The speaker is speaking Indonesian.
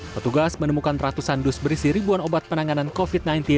petugas menemukan ratusan dus berisi ribuan obat penanganan covid sembilan belas